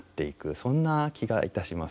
そんな気がいたします。